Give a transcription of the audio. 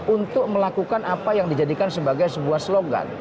untuk melakukan apa yang dijadikan sebagai sebuah slogan